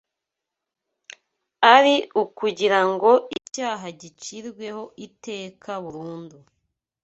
ari ukugira ngo icyaha gicirweho iteka burundu